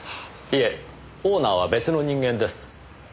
いえオーナーは別の人間です。